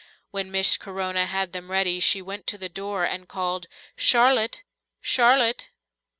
When Miss Corona had them ready, she went to the door and called, "Charlotte! Charlotte!"